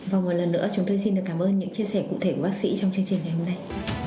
và một lần nữa chúng tôi xin được cảm ơn những chia sẻ cụ thể của bác sĩ trong chương trình ngày hôm nay